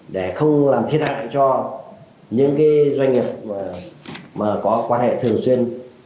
để không làm thiệt hại cho những doanh nghiệp có quan hệ thường xuyên